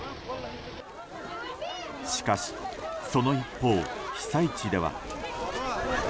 しかし、その一方被災地では。